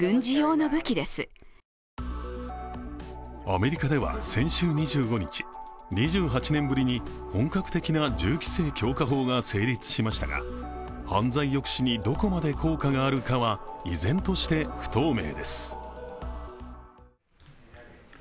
アメリカでは先週２５日２８年ぶりに本格的な銃規制強化法が成立しましたが、犯罪抑止にどこまで効果があるかは依然として不透明です。